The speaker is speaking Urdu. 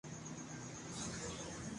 اس ہنگامے سے کیا امید؟